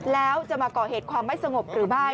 แล้วจะมาก่อเหตุความไม่สงบหรือไม่